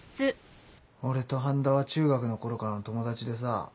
俺と半田は中学のころからの友達でさ。